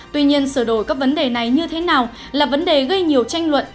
tuy nhiên sửa đổi các vấn đề này như thế nào là vấn đề gây nhiều tranh luận